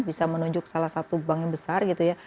bisa menunjuk salah satu bank yang besar gitu ya